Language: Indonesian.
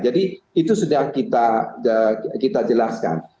jadi itu sudah kita jelaskan